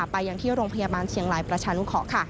ไปอย่างที่โรงพยาบาลเชียงรายประชานุเคาะค่ะ